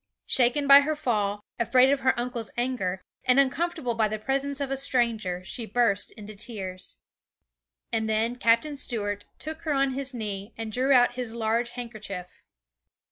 Shaken by her fall, afraid of her uncle's anger, and uncomfortable by the presence of a stranger, she burst into tears. And then Captain Stuart took her on his knee, and drew out his large handkerchief.